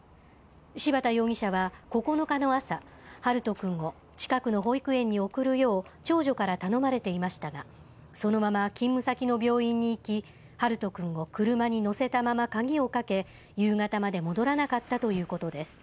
柴田容疑者は９日の朝、陽翔くんを近くの保育園に送るよう長女から頼まれていましたが、そのまま勤務先の病院に行き、陽翔くんを車に乗せたまま鍵をかけ、夕方まで戻らなかったということです。